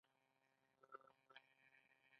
غوا شیدې ورکوي.